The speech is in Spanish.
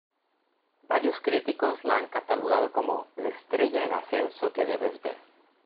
Varios críticos la han catalogado como la ""estrella en ascenso que debes ver"".